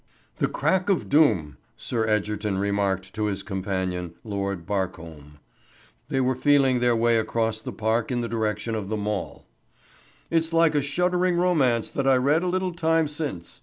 "The crack of doom," Sir George Egerton remarked to his companion, Lord Barcombe. They were feeling their way across the park in the direction of the Mall. "It's like a shuddering romance that I read a little time since.